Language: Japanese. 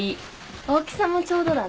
大きさもちょうどだね。